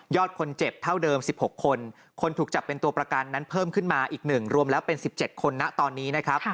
คนเจ็บเท่าเดิม๑๖คนคนถูกจับเป็นตัวประกันนั้นเพิ่มขึ้นมาอีก๑รวมแล้วเป็น๑๗คนนะตอนนี้นะครับ